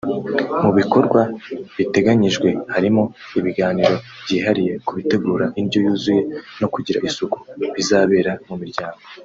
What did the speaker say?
Mu bikorwa biteganyijwe harimo ibiganiro byihariye ku gutegura indyo yuzuye no kugira isuku bizabera mu miryango